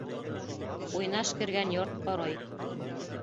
Уйнаш кергән йорт ҡорой.